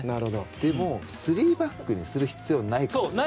でも３バックにする必要ないからね。